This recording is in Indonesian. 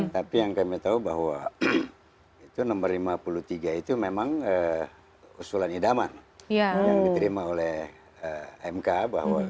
tapi yang kami tahu bahwa itu nomor lima puluh tiga itu memang usulan idaman yang diterima oleh mk bahwa